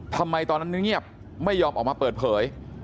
ทำไมตอนนั้นเงียบไม่ยอมออกมาเปิดเผย